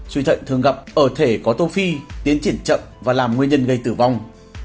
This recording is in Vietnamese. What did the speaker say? suy thận thường gặp ở thể có tô phi tiến triển chậm và làm nguyên nhân gây tử vong